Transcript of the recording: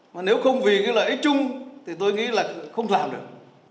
mà nếu không vì cái lợi ích chung thì tôi nghĩ là không làm được